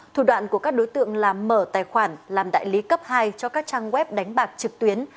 thủ đoạn của các đối tượng là mở tài khoản làm đại lý cấp hai cho các trang web đánh bạc trực tuyến